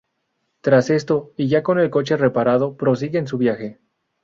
Tras esto y ya con el coche reparado prosiguen su viaje.